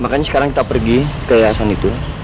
makanya sekarang kita pergi ke yayasan itu